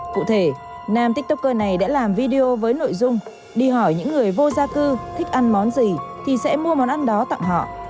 cụ thể nam tiktoker này đã làm video với nội dung đi hỏi những người vô gia cư thích ăn món gì thì sẽ mua món ăn đó tặng họ